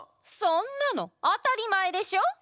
そんなのあたりまえでしょ！